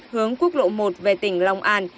hướng quốc lộ một về tỉnh long an